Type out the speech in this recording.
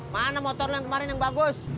mana motor yang kemarin yang bagus